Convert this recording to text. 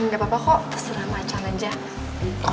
gak apa apa kok terserah macan aja